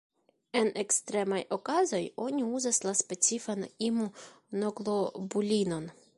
En ekstremaj okazoj oni uzas la specifan imunoglobulinon.